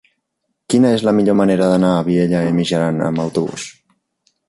Quina és la millor manera d'anar a Vielha e Mijaran amb autobús?